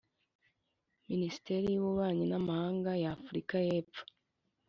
Minisiteri y'ububanyi n'amahanga ya Afurika y'epfo